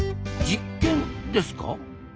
実験ですか？